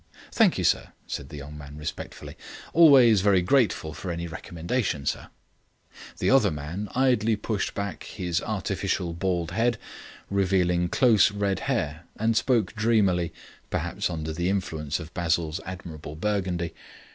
"Thank you, sir," said the man respectfully, "always very grateful for any recommendation, sir." The other man idly pushed back his artificial bald head, revealing close red hair, and spoke dreamily, perhaps under the influence of Basil's admirable Burgundy.